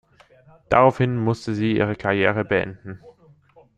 Daraufhin musste sie ihre Karriere beenden.